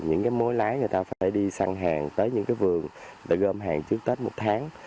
những cái mối lái người ta phải đi săn hàng tới những cái vườn để gom hàng trước tết một tháng